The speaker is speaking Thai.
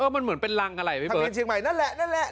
มันเหมือนเป็นรังอะไรพี่เบิร์ต